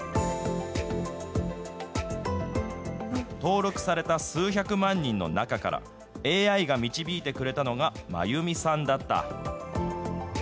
登録された数百万人の中から、ＡＩが導いてくれたのが、真弓さんだった。